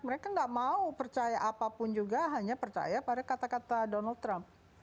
mereka tidak mau percaya apapun juga hanya percaya pada kata kata donald trump